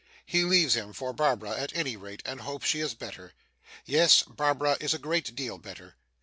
He leaves him for Barbara at any rate, and hopes she is better. Yes. Barbara is a great deal better.